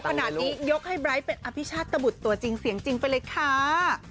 ขนาดนี้ยกให้ไบร์ทเป็นอภิชาตบุตรตัวจริงเสียงจริงไปเลยค่ะ